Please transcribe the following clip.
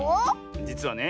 じつはね